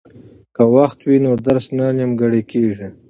که وخت وي نو درس نه نیمګړی کیږي.